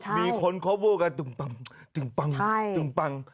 มีคนพูดกันตึงปัง